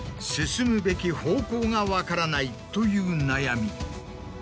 進むべき方向が分からないという悩み。